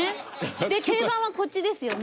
で定番はこっちですよね。